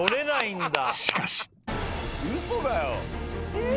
しかし］